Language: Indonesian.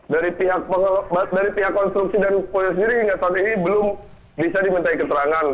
dari pihak konstruksi dan polisi sendiri hingga saat ini belum bisa dimintai keterangan